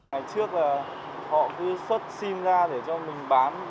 ngày trước là họ cứ xuất sim ra để cho mình bán